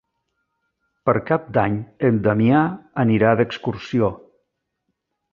Per Cap d'Any en Damià anirà d'excursió.